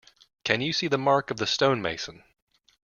Can you see the mark of the stonemason?